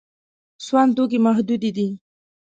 سون توکي محدود دي.